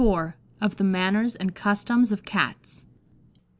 ] _Of the Manners and Customs of Cats.